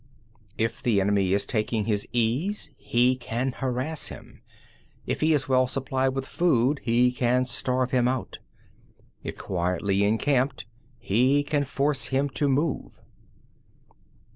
4. If the enemy is taking his ease, he can harass him; if well supplied with food, he can starve him out; if quietly encamped, he can force him to move.